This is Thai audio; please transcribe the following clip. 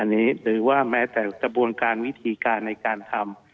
หรือว่าแม้แต่กระบวนการวิธีการในการทำ